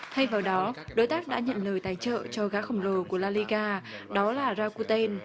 thay vào đó đối tác đã nhận lời tài trợ cho gá khổng lồ của la liga đó là racoteen